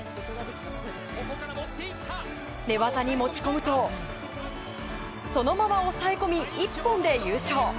寝技に持ち込むとそのまま押さえ込み、一本で優勝。